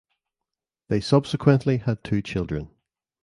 They subsequently had two children.